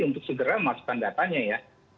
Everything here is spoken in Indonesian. untuk segera masukkan datanya ya